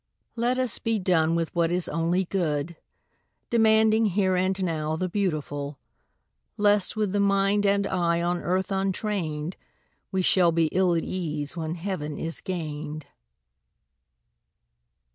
Let us be done with what is only good, Demanding here and now the beautiful; Lest, with the mind and eye on earth untrained, We shall be ill at ease when heaven is gained.